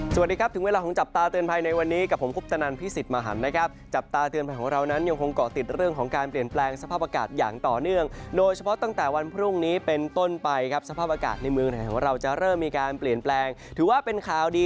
สวัสดีครับถึงเวลาของจับตาเตือนภัยในวันนี้กับผมคุปตนันพิสิทธิ์มหันนะครับจับตาเตือนภัยของเรานั้นยังคงเกาะติดเรื่องของการเปลี่ยนแปลงสภาพอากาศอย่างต่อเนื่องโดยเฉพาะตั้งแต่วันพรุ่งนี้เป็นต้นไปครับสภาพอากาศในเมืองไทยของเราจะเริ่มมีการเปลี่ยนแปลงถือว่าเป็นข่าวดี